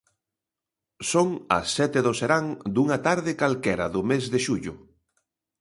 Son as sete do serán dunha tarde calquera do mes de xullo.